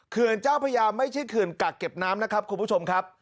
เจ้าพญาไม่ใช่เขื่อนกักเก็บน้ำนะครับคุณผู้ชมครับ